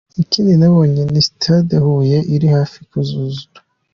Ikindi nabonye ni stade Huye iri hafi kuzura.